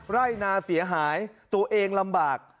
ไร่นาเสียหายตัวเองลำบาก